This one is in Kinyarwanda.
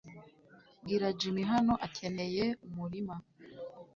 Bwira Jimmy hano Akeneye umurima